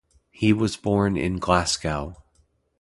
He was born in Glasgow.